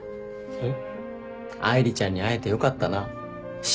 えっ？